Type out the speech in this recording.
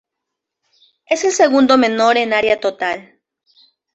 Es el segundo menor en área total.